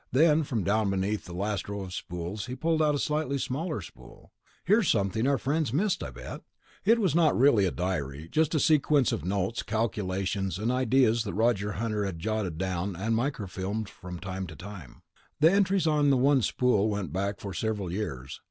Then, from down beneath the last row of spools he pulled out a slightly smaller spool. "Here's something our friends missed, I bet." It was not really a diary, just a sequence of notes, calculations and ideas that Roger Hunter had jotted down and microfilmed from time to time. The entries on the one spool went back for several years.